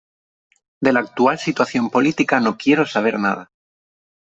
De la actual situación política no quiero saber nada.